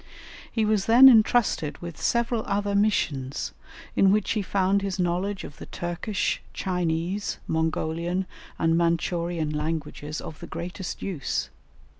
He was then entrusted with several other missions, in which he found his knowledge of the Turkish, Chinese, Mongolian, and Mantchorian languages of the greatest use.